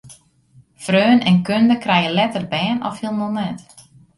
Freonen en kunde krije letter bern of hielendal net.